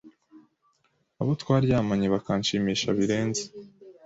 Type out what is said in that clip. abo twaryamanye bakanshimisha birenze.